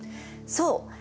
そう。